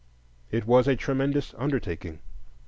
It was a tremendous undertaking.